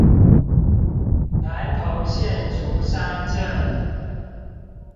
南投縣竹山鎮